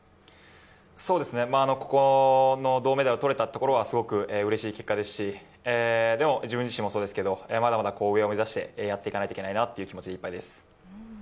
ここの銅メダルを取れたことは嬉しい結果ですし、でも自分自身もそうですけどまだまだ上を目指してやっていかないといけないなという気持ちでいっぱいです。